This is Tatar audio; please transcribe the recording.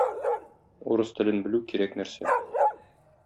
Урыс телен белү кирәк нәрсә